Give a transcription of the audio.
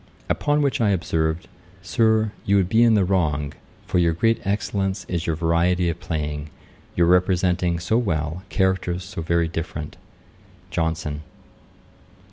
Upon which I observed, 'Sir, you would be in the wrong; for your great excellence is your variety of playing, your representing so well, characters so very different.' JOHNSON.